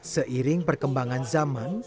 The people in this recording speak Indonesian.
seiring perkembangan zaman